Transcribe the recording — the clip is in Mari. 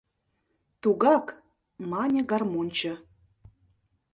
— Тугак! — мане гармоньчо.